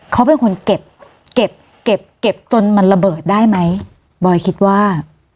เขาเป็นคนเก็บเก็บเก็บจนมันระเบิดได้ไหมบอยคิดว่า